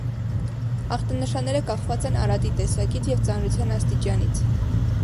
Ախտանշանները կախված են արատի տեսակից և ծանրության աստիճանից։